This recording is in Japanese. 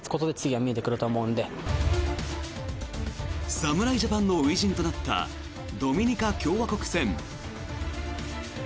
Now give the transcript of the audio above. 侍ジャパンの初陣となったドミニカ共和国戦。